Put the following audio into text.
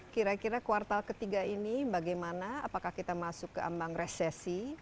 kira kira kuartal ketiga ini bagaimana apakah kita masuk ke ambang resesi